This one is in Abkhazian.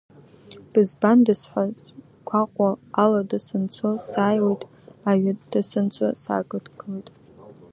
Бызбандаз ҳәа сгәаҟуа, алада санцо, сааиуеит, аҩада санцо, саакыдгылоит.